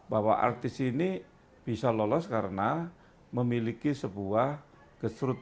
bahwa artis ini bisa lolos karena memiliki sebuah keseluruhan